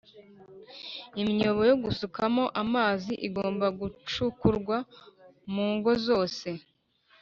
imyobo yo gusukamo amazi igomba gucukurwa mu ngo zose